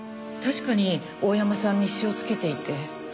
確かに大山さん日誌をつけていて。